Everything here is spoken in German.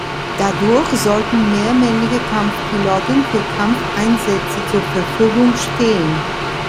Dadurch sollten mehr männliche Kampfpiloten für Kampfeinsätze zur Verfügung stehen.